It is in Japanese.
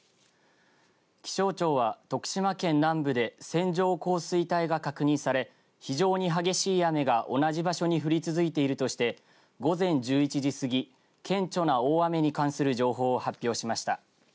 気象庁は徳島県南部で線状降水帯が確認され非常に激しい雨が同じ場所に降り続いているとして午前１１時すぎ顕著な大雨に関する情報を発表しました。